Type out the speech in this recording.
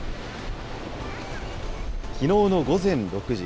きのうの午前６時、